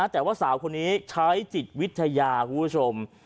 แต่ว่าสาวคนนี้ใช้จิตวิทยาคุณผู้ชม